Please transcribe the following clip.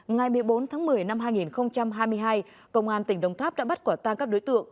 ngày một mươi bốn tháng một mươi năm hai nghìn hai mươi hai công an tỉnh đồng tháp đã bắt quả tang các đối tượng